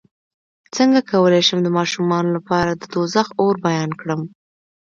څنګه کولی شم د ماشومانو لپاره د دوزخ اور بیان کړم